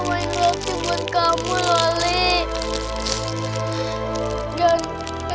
apa yang gue kasih buat kamu lolik